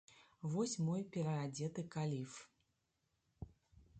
Вось мой пераадзеты каліф!